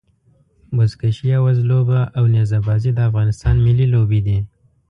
بزکشي يا وزلوبه او نيزه بازي د افغانستان ملي لوبي دي.